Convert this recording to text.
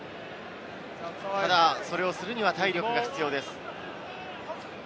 ただそれをするには体力が必要です。